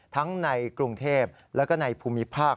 ในกรุงเทพแล้วก็ในภูมิภาค